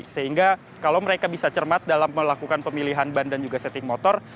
sehingga kalau mereka bisa cermat dalam melakukan pemilihan ban dan juga setting motor